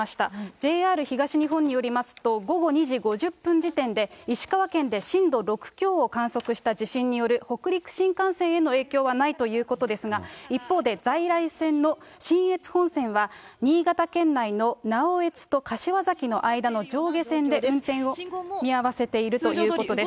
ＪＲ東日本によりますと、午後２時５０分時点で、石川県で震度６強を観測した地震による北陸新幹線への影響はないということですが、一方で在来線の信越本線は、新潟県内の直江津と柏崎の間の上下線で運転を見合わせているということです。